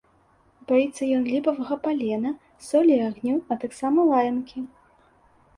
Баіцца ён ліпавага палена, солі і агню, а таксама лаянкі.